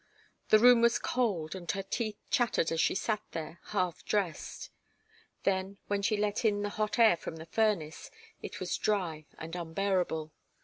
The room was cold, and her teeth chattered as she sat there, half dressed. Then, when she let in the hot air from the furnace, it was dry and unbearable.